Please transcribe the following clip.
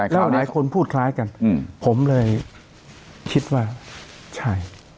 แล้วหลายคนพูดคล้ายกันผมเลยคิดว่าใช่